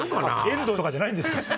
「遠藤」じゃないんですね。